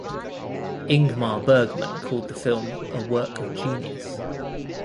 Ingmar Bergman called the film a "work of genius".